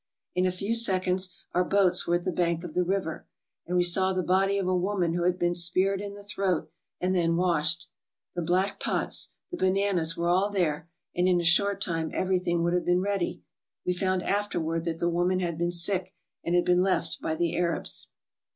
In a few seconds our boats were at the bank of the river, and we saw the body of a woman who had been speared in the throat and then washed. The black pots, the bananas were all there, and in a short time everything would have been ready. We found afterward that the woman had been sick and had been left by the Arabs.